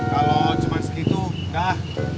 kalau cuma segitu dah